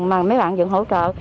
mà mấy bạn vẫn hỗ trợ